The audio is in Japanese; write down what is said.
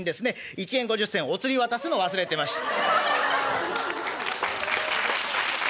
１円５０銭お釣り渡すのを忘れてました」。